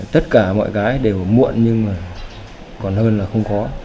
tất cả mọi cái đều muộn nhưng mà còn hơn là không có